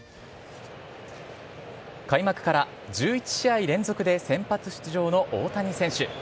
開幕から１１試合連続で先発出場の大谷選手。